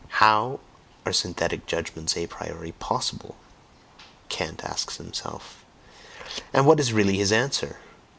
"How are synthetic judgments a priori POSSIBLE?" Kant asks himself and what is really his answer?